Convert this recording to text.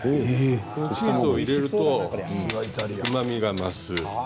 こちらを入れるとうまみが増します。